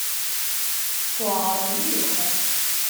Tuɛeṛ mliḥ.